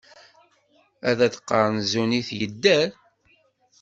Ad d-qqaṛen zun-it yedder.